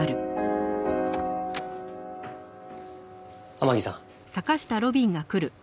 天樹さん。